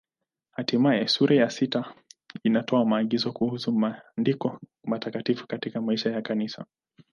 Hatimaye sura ya sita inatoa maagizo kuhusu Maandiko Matakatifu katika maisha ya Kanisa.